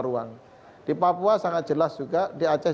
ruang di papua sangat jelas juga di aceh